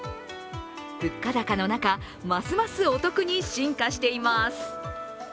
物価高の中、ますますお得に進化しています。